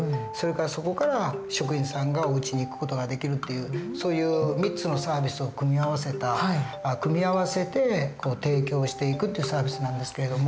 そこから職員さんがおうちに行く事ができるっていうそういう３つのサービスを組み合わせて提供していくっていうサービスなんですけれども。